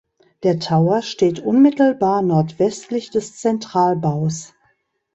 Der Tower steht unmittelbar nordwestlich des Zentralbaus.